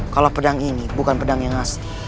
kalau pedang ini bukan pedang yang asli